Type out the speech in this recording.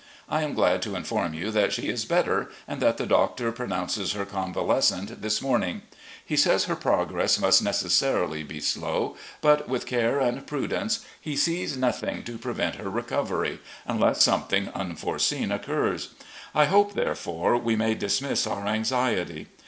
I am glad to inform you that she is better, and that the doctor pronounces her convalescent this morning. He MRS. R. E. LEE 3*3 says her progress must necessarily be slow, but with care and prudence he sees nothing to prevent her recovery, unless something unforeseen occurs. I hope, therefore, we may dismiss our anxiety.